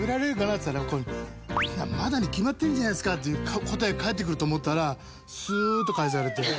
っつったら「まだに決まってるじゃないですか」っていう答え返ってくると思ったら。